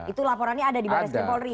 itu laporannya ada di barreskrim polri